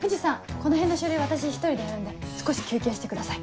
このへんの書類私一人でやるんで少し休憩してください。